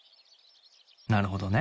なるほどね。